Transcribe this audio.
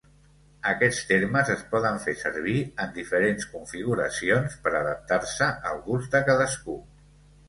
Aquests termes es poden fer servir en diferents configuracions per adaptar-se al gust de cadascú.